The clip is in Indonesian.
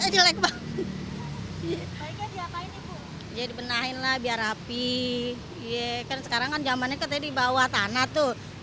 jelek banget jadi benahinlah biar api ye kan sekarang kan zaman neketnya dibawa tanah tuh